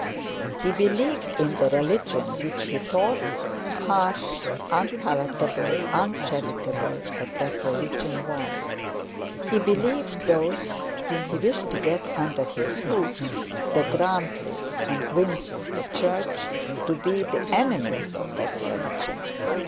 He believed in the religion which he taught, harsh, unpalatable, uncharitable as that religion was. He believed those whom he wished to get under his hoof, the Grantlys and Gwynnes of the church, to be the enemies of that religion.